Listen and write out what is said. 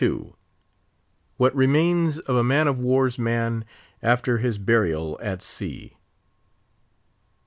WHAT REMAINS OF A MAN OF WAR'S MAN AFTER HIS BURIAL AT SEA.